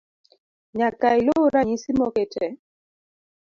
Nyaka iluw ranyisi moket e